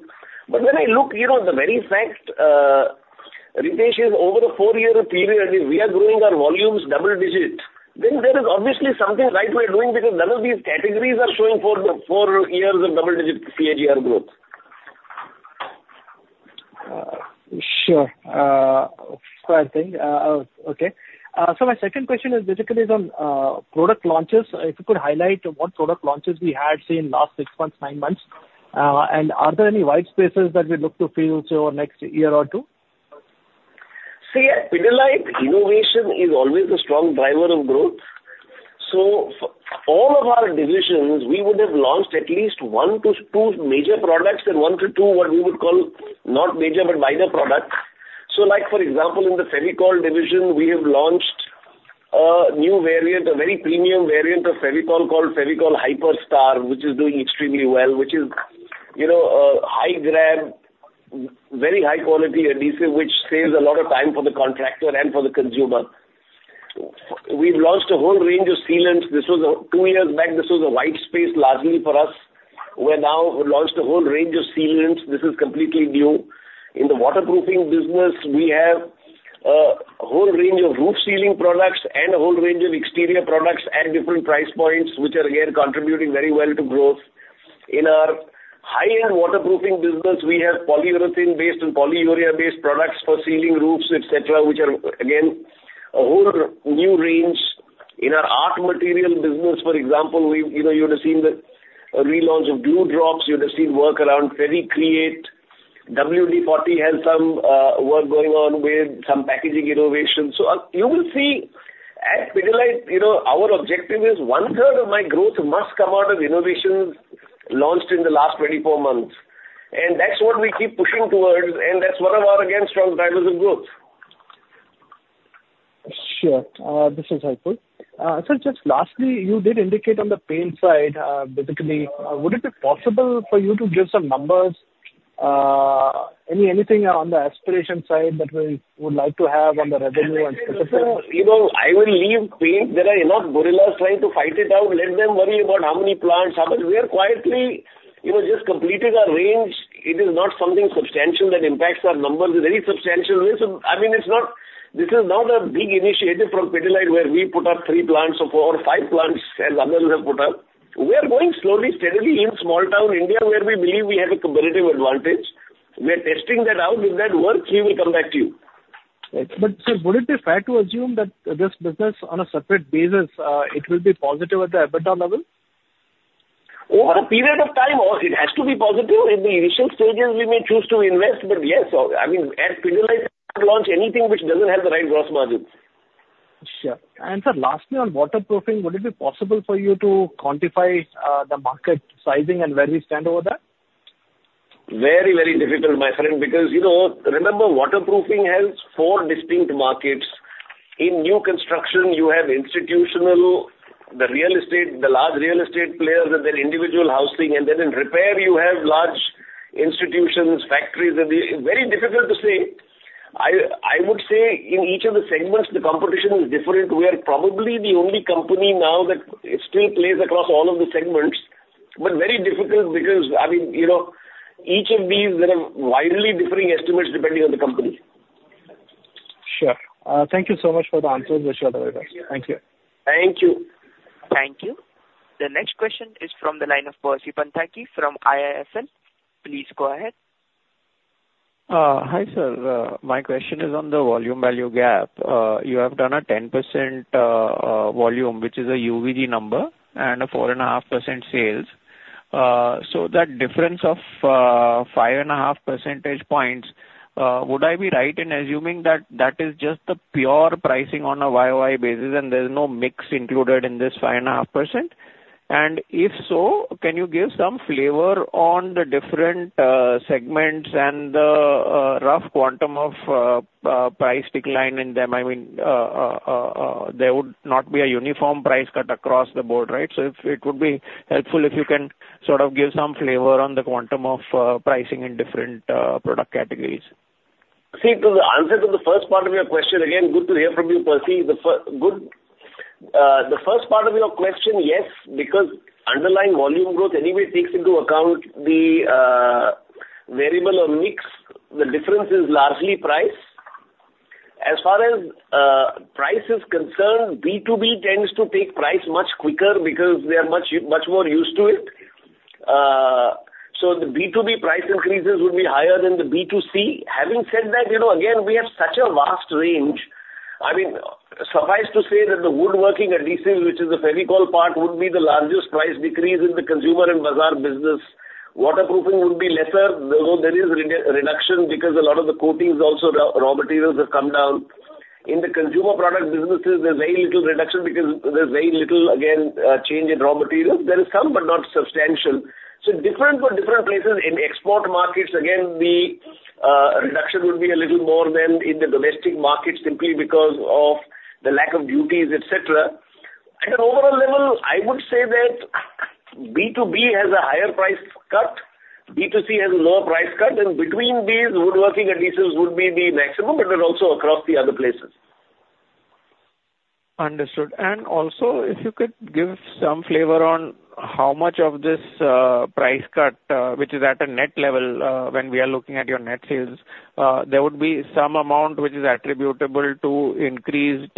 But when I look, you know, the very fact, Ritesh, is over the four-year period, if we are growing our volumes double-digit, then there is obviously something right we are doing, because none of these categories are showing four, four years of double-digit CAGR Growth. Sure. Fair thing. Okay. So my second question is basically on product launches. If you could highlight what product launches we had, say, in last six months, nine months. And are there any white spaces that we look to fill, say, over next year or two? See, at Pidilite, innovation is always a strong driver of Growth. So all of our divisions, we would have launched at least 1-2 major products and 1-2, what we would call, not major, but minor products. So like, for example, in the Fevicol division, we have launched a new variant, a very premium variant of Fevicol called Fevicol Hi-Per, which is doing extremely well, which is, you know, a high grab, very high quality adhesive, which saves a lot of time for the contractor and for the consumer. We've launched a whole range of sealants. This was two years back, this was a wide space largely for us. We've now launched a whole range of sealants. This is completely new. In the waterproofing business, we have a whole range of roof sealing products and a whole range of exterior products at different price points, which are again contributing very well to Growth. In our higher waterproofing business, we have polyurethane-based and polyurea-based products for sealing roofs, et cetera, which are, again, a whole new range. In our art material business, for example, we've, you know, you would have seen the relaunch of Drops, you would have seen work around Fevicreate. WD-40 has some work going on with some packaging innovations. So, you will see at Pidilite, you know, our objective is one-third of my Growth must come out of innovations launched in the last 24 months. And that's what we keep pushing towards, and that's one of our, again, strong drivers of Growth. Sure. This is helpful. Sir, just lastly, you did indicate on the paint side, basically, would it be possible for you to give some numbers, anything on the aspiration side that we would like to have on the revenue and specific- You know, I will leave paint. There are enough gorillas trying to fight it out. Let them worry about how many plants, how much... We are quietly, you know, just completed our range. It is not something substantial that impacts our numbers in any substantial way. So I mean, it's not this is not a big initiative from Pidilite, where we put up 3 plants or 4, 5 plants, as others have put up. We are going slowly, steadily, in small town India, where we believe we have a competitive advantage. We are testing that out. If that works, we will come back to you. But sir, would it be fair to assume that this business, on a separate basis, it will be positive at the EBITDA level? Over a period of time, it has to be positive. In the initial stages, we may choose to invest, but yes, I mean, at Pidilite, launch anything which doesn't have the right gross margins. Sure. And sir, lastly, on waterproofing, would it be possible for you to quantify the market sizing and where we stand over that?... Very, very difficult, my friend, because, you know, remember, waterproofing has four distinct markets. In new construction, you have institutional, the real estate, the large real estate players, and then individual housing. And then in repair, you have large institutions, factories. It's very difficult to say. I would say in each of the segments, the competition is different. We are probably the only company now that still plays across all of the segments, but very difficult because, I mean, you know, each of these there are widely differing estimates depending on the company. Sure. Thank you so much for the answers, wish you all the best. Thank you. Thank you. Thank you. The next question is from the line of Percy Panthaki from IIFL. Please go ahead. Hi, sir. My question is on the volume-value gap. You have done a 10% volume, which is a UVG number, and a 4.5% sales. So that difference of 5.5 percentage points, would I be right in assuming that that is just the pure pricing on a YOY basis, and there's no mix included in this 5.5%? And if so, can you give some flavor on the different segments and the rough quantum of price decline in them? I mean, there would not be a uniform price cut across the board, right? So if it would be helpful, if you can sort of give some flavor on the quantum of pricing in different product categories. See, to the answer to the first part of your question, again, good to hear from you, Percy. The first part of your question, yes, because underlying volume Growth anyway takes into account the variable or mix. The difference is largely price. As far as price is concerned, B2B tends to take price much quicker because we are much more used to it. So the B2B price increases would be higher than the B2C. Having said that, you know, again, we have such a vast range. I mean, suffice to say that the woodworking adhesives, which is the Fevicol part, would be the largest price decrease in the consumer and bazaar business. Waterproofing would be lesser, although there is a reduction because a lot of the coatings, also, Roff raw materials have come down. In the consumer product businesses, there's very little reduction because there's very little, again, change in raw materials. There is some, but not substantial. So different for different places. In export markets, again, the reduction would be a little more than in the domestic market, simply because of the lack of duties, et cetera. At an overall level, I would say that B2B has a higher price cut, B2C has a lower price cut, and between these, woodworking adhesives would be the maximum, but then also across the other places. Understood. And also, if you could give some flavor on how much of this price cut, which is at a net level, when we are looking at your net sales, there would be some amount which is attributable to increased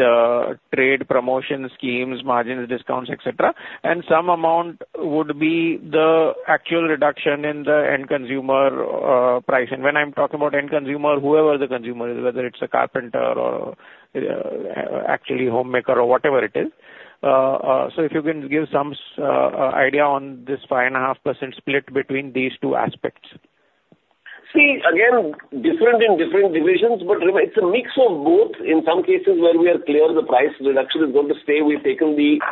trade promotion schemes, margins, discounts, et cetera, and some amount would be the actual reduction in the end consumer pricing. When I'm talking about end consumer, whoever the consumer is, whether it's a carpenter or actually, homemaker or whatever it is. So if you can give some idea on this 5.5% split between these two aspects. See, again, different in different divisions, but remember, it's a mix of both. In some cases where we are clear the price reduction is going to stay, we've taken the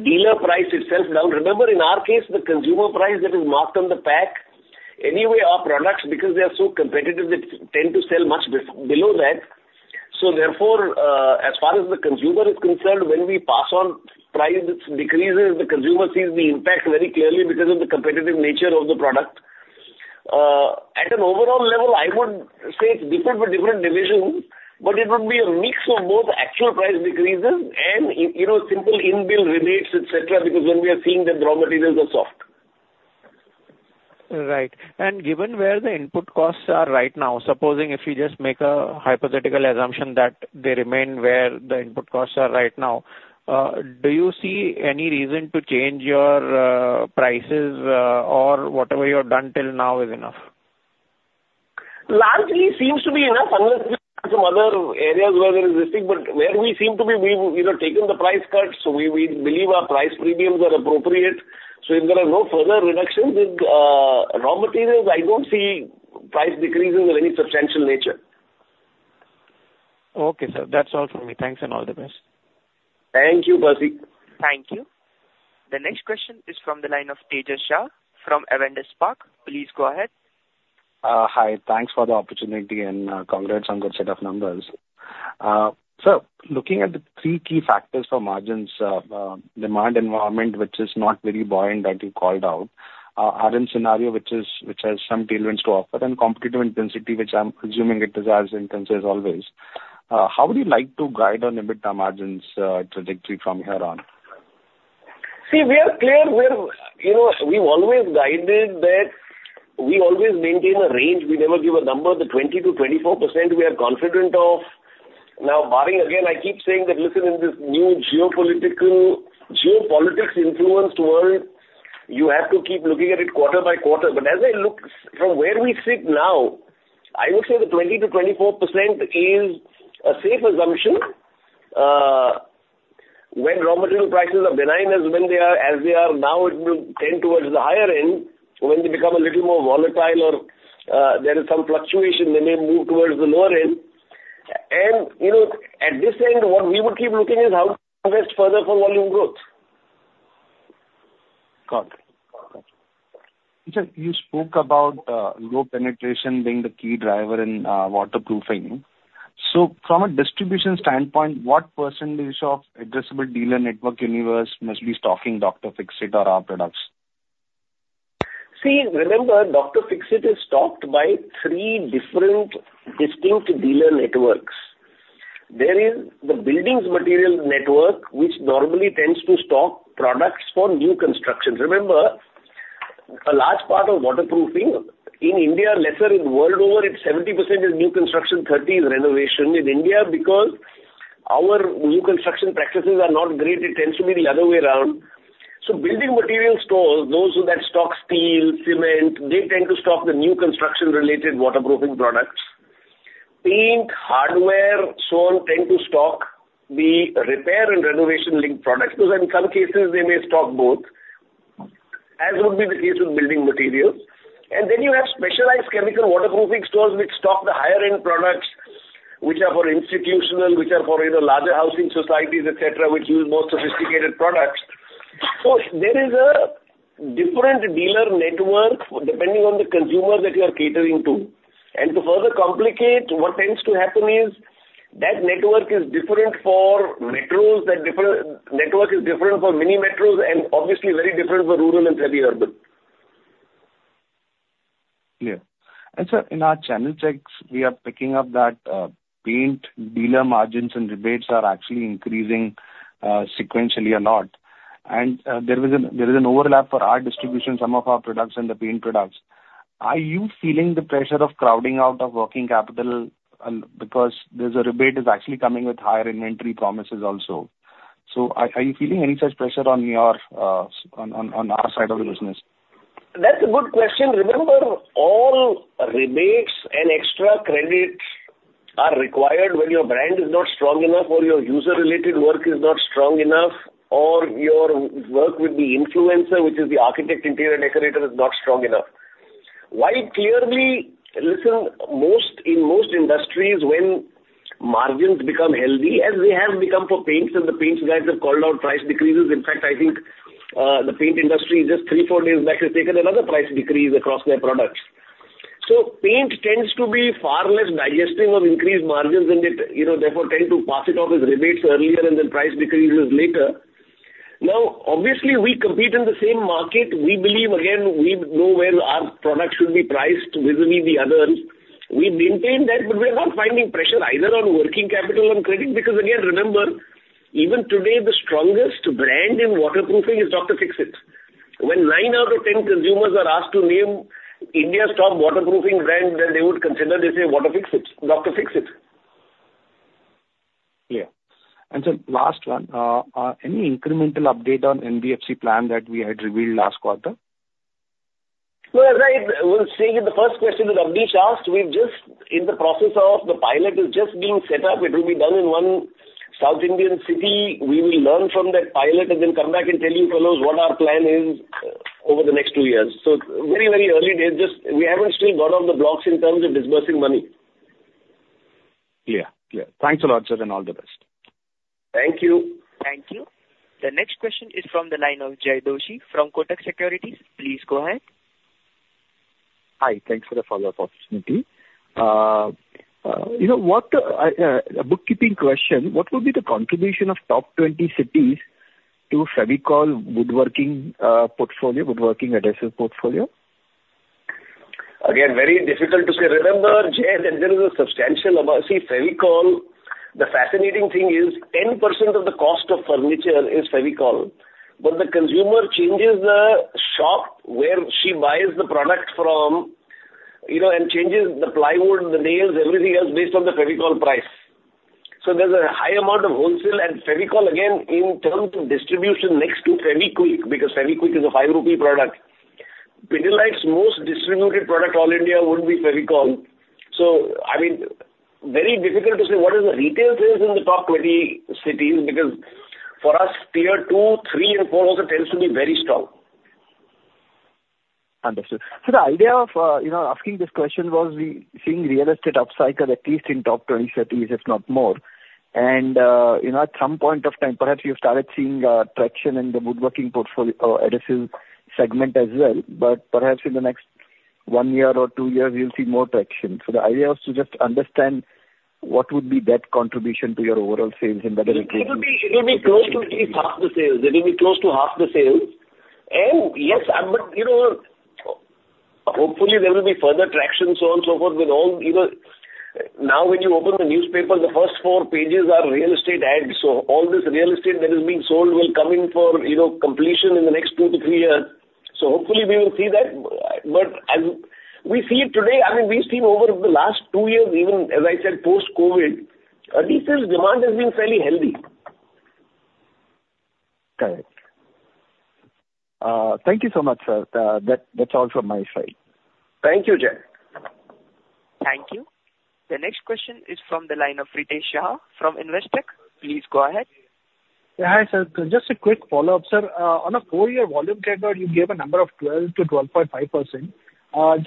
dealer price itself down. Remember, in our case, the consumer price that is marked on the pack, anyway, our products, because they are so competitive, they tend to sell much below that. So therefore, as far as the consumer is concerned, when we pass on price decreases, the consumer sees the impact very clearly because of the competitive nature of the product. At an overall level, I would say it's different for different divisions, but it would be a mix of both actual price decreases and, you know, simple in-bill rebates, et cetera, because when we are seeing that the raw materials are soft. Right. Given where the input costs are right now, supposing if you just make a hypothetical assumption that they remain where the input costs are right now, do you see any reason to change your prices, or whatever you have done till now is enough? Largely seems to be enough, unless there are some other areas where they're resisting, but where we seem to be, we've, you know, taken the price cut, so we, we believe our price premiums are appropriate. So if there are no further reductions in raw materials, I don't see price decreases of any substantial nature. Okay, sir. That's all for me. Thanks, and all the best. Thank you, Percy. Thank you. The next question is from the line of Tejas Shah from Avendus Spark. Please go ahead. Hi. Thanks for the opportunity and, congrats on good set of numbers. So looking at the three key factors for margins, demand environment, which is not very buoyant, that you called out, RM scenario, which has some tailwinds to offer, and competitive intensity, which I'm assuming it is as intense as always. How would you like to guide on EBITDA margins, trajectory from here on? See, we are clear. We're, you know, we've always guided that we always maintain a range. We never give a number. The 20%-24%, we are confident of. Now, barring again, I keep saying that, listen, in this new geopolitical, geopolitics influenced world, you have to keep looking at it quarter by quarter. But as I look from where we sit now, I would say the 20%-24% is a safe assumption. When raw material prices are benign, as when they are, as they are now, it will tend towards the higher end. When they become a little more volatile or, there is some fluctuation, they may move towards the lower end. And, you know, at this end, what we would keep looking is how to invest further for volume Growth.... Got it. Sir, you spoke about, low penetration being the key driver in, waterproofing. So from a distribution standpoint, what percentage of addressable dealer network universe must be stocking Dr. Fixit or our products? See, remember, Dr. Fixit is stocked by three different distinct dealer networks. There is the building materials network, which normally tends to stock products for new construction. Remember, a large part of waterproofing in India, lesser in the world over, it's 70% is new construction, 30% is renovation. In India, because our new construction practices are not great, it tends to be the other way around. So building material stores, those that stock steel, cement, they tend to stock the new construction-related waterproofing products. Paint, hardware, so on, tend to stock the repair and renovation-linked products, because in some cases they may stock both, as would be the case with building materials. And then you have specialized chemical waterproofing stores, which stock the higher-end products, which are for institutional, which are for, you know, larger housing societies, et cetera, which use more sophisticated products. So there is a different dealer network, depending on the consumer that you are catering to. And to further complicate, what tends to happen is, that network is different for metros, that network is different for mini metros, and obviously very different for rural and semi-urban. Yeah. And, sir, in our channel checks, we are picking up that, paint dealer margins and rebates are actually increasing, sequentially a lot. And, there is an, there is an overlap for our distribution, some of our products and the paint products. Are you feeling the pressure of crowding out of working capital? Because there's a rebate is actually coming with higher inventory promises also. So are, are you feeling any such pressure on your, on, on, on our side of the business? That's a good question. Remember, all rebates and extra credits are required when your brand is not strong enough, or your user-related work is not strong enough, or your work with the influencer, which is the architect, interior decorator, is not strong enough. While clearly... Listen, most, in most industries, when margins become healthy, as they have become for paints, and the paints guys have called out price decreases. In fact, I think, the paint industry, just 3-4 days back, has taken another price decrease across their products. So paint tends to be far less digestive of increased margins, and it, you know, therefore, tend to pass it off as rebates earlier and then price decreases later. Now, obviously, we compete in the same market. We believe, again, we know where our product should be priced vis-a-vis the others. We maintain that, but we're not finding pressure either on working capital or credit. Because, again, remember, even today, the strongest brand in waterproofing is Dr. Fixit. When nine out of ten consumers are asked to name India's top waterproofing brand that they would consider, they say Dr. Fixit, Dr. Fixit. Yeah. Sir, last one, any incremental update on NBFC plan that we had revealed last quarter? Well, right, we were saying in the first question that Abneesh asked. We're just in the process of the pilot is just being set up. It will be done in one South Indian city. We will learn from that pilot and then come back and tell you fellows what our plan is over the next two years. So very, very early days. Just we haven't still got on the blocks in terms of disbursing money. Clear. Clear. Thanks a lot, sir, and all the best. Thank you. Thank you. The next question is from the line of Jay Doshi from Kotak Securities. Please go ahead. Hi, thanks for the follow-up opportunity. You know, a bookkeeping question: What would be the contribution of top 20 cities to Fevicol woodworking portfolio, woodworking adhesive portfolio? Again, very difficult to say. Remember, Jay, that there is a substantial amount... See, Fevicol, the fascinating thing is 10% of the cost of furniture is Fevicol, but the consumer changes the shop where she buys the product from, you know, and changes the plywood, the nails, everything else based on the Fevicol price. So there's a high amount of wholesale, and Fevicol, again, in terms of distribution, next to Fevikwik, because Fevikwik is an 5 rupee product. Pidilite's most distributed product, all India, would be Fevicol. So I mean, very difficult to say what is the retail sales in the top 20 cities, because for us, tier 2, 3, and 4 also tends to be very strong. Understood. So the idea of, you know, asking this question was we seeing real estate upcycle, at least in top 20 cities, if not more. And, you know, at some point of time, perhaps you've started seeing traction in the woodworking portfolio or adhesive segment as well, but perhaps in the next one year or two years, you'll see more traction. So the idea was to just understand what would be that contribution to your overall sales in the- It'll be close to at least half the sales. It'll be close to half the sales. And yes, but, you know, hopefully, there will be further traction, so on and so forth, with all... You know, now when you open the newspaper, the first four pages are real estate ads. So all this real estate that is being sold will come in for, you know, completion in the next two to three years. So hopefully, we will see that. But as we see it today, I mean, we've seen over the last two years, even as I said, post-COVID, adhesive demand has been fairly healthy. Correct. Thank you so much, sir. That's all from my side. Thank you, Jay. Thank you. The next question is from the line of Ritesh Shah from Investec. Please go ahead. Yeah, hi, sir. Just a quick follow-up, sir. On a full year volume category, you gave a number of 12%-12.5%.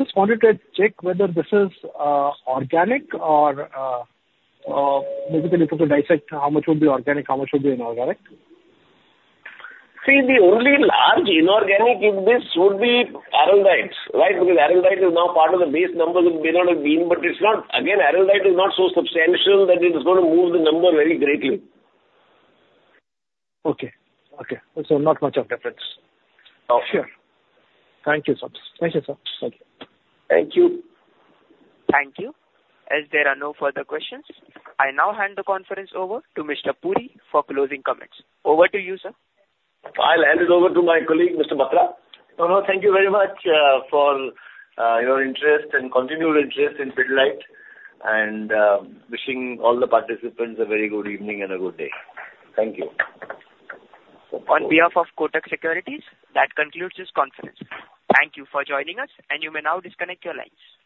Just wanted to check whether this is organic or basically if you could dissect how much would be organic, how much would be inorganic? See, the only large inorganic in this would be Araldite, right? Because Araldite is now part of the base numbers it would have been, but it's not. Again, Araldite is not so substantial that it is going to move the number very greatly. Okay. Okay, so not much of difference. No. Sure. Thank you, sir. Thank you, sir. Thank you. Thank you. Thank you. As there are no further questions, I now hand the conference over to Mr. Puri for closing comments. Over to you, sir. I'll hand it over to my colleague, Mr. Batra. No, no, thank you very much for your interest and continued interest in Pidilite, and wishing all the participants a very good evening and a good day. Thank you. On behalf of Kotak Securities, that concludes this conference. Thank you for joining us, and you may now disconnect your lines.